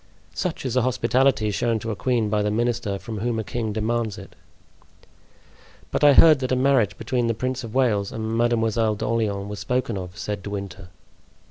"Such is the hospitality shown to a queen by the minister from whom a king demands it." "But I heard that a marriage between the Prince of Wales and Mademoiselle d'Orleans was spoken of," said De Winter.